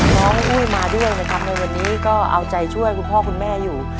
น้องอุ้ยมาด้วยนะครับในวันนี้ก็เอาใจช่วยคุณพ่อคุณแม่อยู่